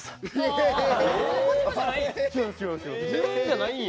自分じゃないんや。